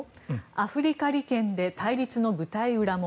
アフリカ利権で対立の舞台裏も。